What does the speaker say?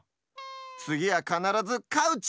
つぎはかならずカウチ！